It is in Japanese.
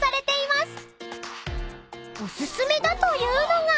［お薦めだというのが］